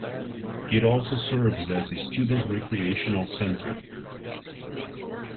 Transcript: It also serves as a student recreational center.